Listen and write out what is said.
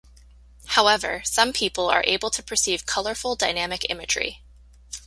However, some people are able to perceive colorful, dynamic imagery.